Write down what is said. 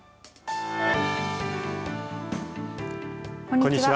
こんにちは。